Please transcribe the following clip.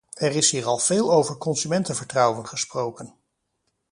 Er is hier al veel over consumentenvertrouwen gesproken.